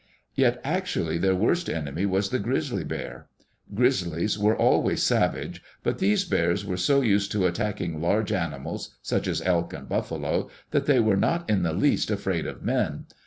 Yet actually their worst enemy was the grizzly bear. Grizzlies are always savage, but these bears were so used to attacking large animals, such as elk and buffalo, that they were not in the least afraid of men.